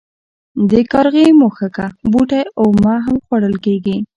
د کارغي مښوکه بوټی اومه هم خوړل کیږي.